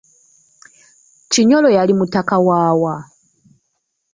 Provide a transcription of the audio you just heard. Kinyolo yali mutaka waawa?